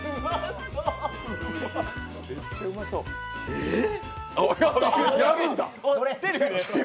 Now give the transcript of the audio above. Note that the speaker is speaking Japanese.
えっ！